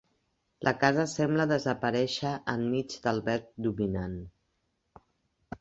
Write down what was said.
La casa sembla desaparèixer enmig del verd dominant.